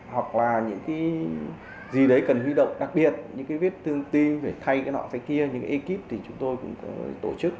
hoặc là những cái gì đấy cần huy động đặc biệt những cái viết tương tiên phải thay cái nọ thế kia những cái ekip thì chúng tôi cũng tổ chức